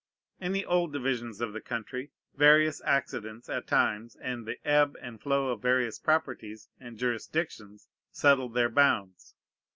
In the old divisions of the country, various accidents at times, and the ebb and flow of various properties and jurisdictions, settled their bounds.